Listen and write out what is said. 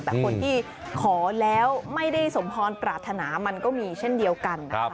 แต่คนที่ขอแล้วไม่ได้สมพรปรารถนามันก็มีเช่นเดียวกันนะครับ